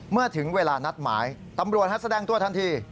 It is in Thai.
เมื่อถึงเวลานัดหมายตำรวจแสดงตัวทันที